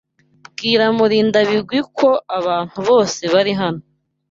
Bwira Murindabigwi ko abantu bose bari hano.